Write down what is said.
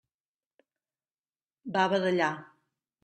Va badallar.